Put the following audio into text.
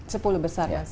sepuluh besar masih